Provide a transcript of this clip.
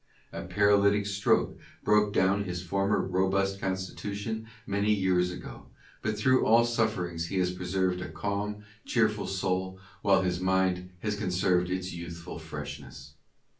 A paralytic stroke broke a his farmer robust constitution many years ago, but through all sufferings he has preserved a calm, cheerful soul, while his mind has conserved its youthful freshness.